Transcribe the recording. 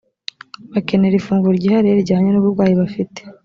bakenera ifunguro ryihariye rijyanye n’uburwayi bafite